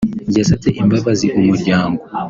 yasabye imbabazi umuryango